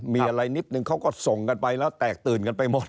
มีอะไรนิดนึงเขาก็ส่งกันไปแล้วแตกตื่นกันไปหมด